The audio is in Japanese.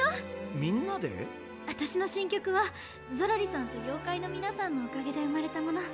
わたしの新曲はゾロリさんと妖怪のみなさんのおかげで生まれたもの。